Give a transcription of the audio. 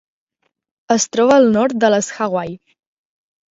Es troba al nord de les Hawaii.